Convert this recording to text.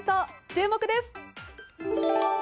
注目です。